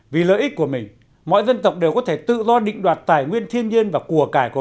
vì lợi ích của mình mọi dân tộc đều có thể tự do định đoạt tài nguyên thiên nhiên và của cải của